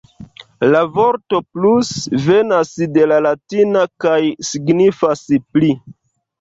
La vorto 'plus' venas de la latina kaj signifas 'pli'.